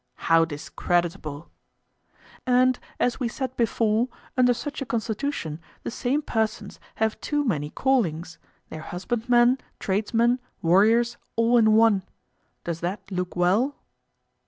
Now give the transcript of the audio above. How discreditable! And, as we said before, under such a constitution the same persons have too many callings—they are husbandmen, tradesmen, warriors, all in one. Does that look well?